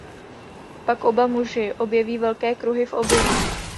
Pak oba muži objeví velké kruhy v obilí.